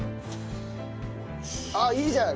ああいいじゃん。